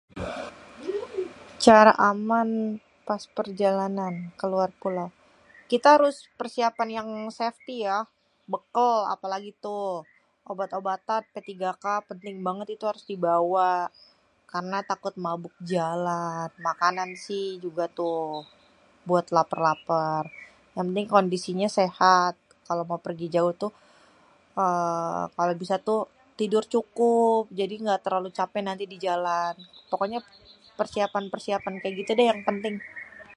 """Cara aman pas perjalanan ke luar pulau?"" Kita harus persiapan yang safety ya, bekel apalagi tuh, obat-obatan P3K penting banget tuh harus dibawa, karena takut mabuk jalan. Makanan sih juga tuh buat laper-laper, yang penting kondisinya sehat kalo mau pergi jauh tuh uhm kalo bisa tuh tidur cukup, jadi nggak terlalu capek di jalan. Pokoknya persiapan-persiapan gitu deh yang penting."